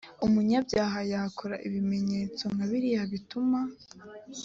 umunyabyaha yakora ibimenyetso b nka biriya bituma